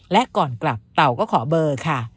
และก่อนกลับเต่าก็ขอเบอร์ค่ะ